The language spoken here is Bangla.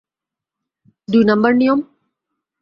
দুই নাম্বার নিয়ম?